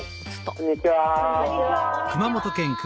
こんにちは。